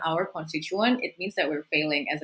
dari penduduk kita itu berarti kami tidak bisa